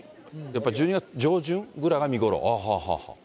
やっぱり１２月上旬ぐらいが見頃？